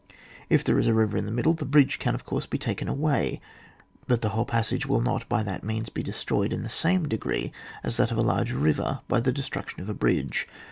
If there is a river in the middle, the bridge can of course be taken away, but the whole passage will not by that means be de stroyed in the same degree as that of a large river by the destruction of a bridge.